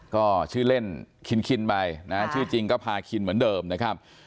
ก็ชื่อเล่นคินไปนะชื่อจริงก็พาคินเหมือนเดิมนะครับ